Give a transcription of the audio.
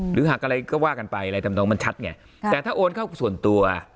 หรือหากอะไรก็ว่ากันไปมันชัดไงแต่ถ้าโอนเข้าส่วนตัว